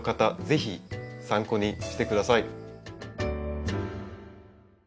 是非参考にして下さい。